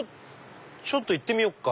ちょっと行ってみよっか。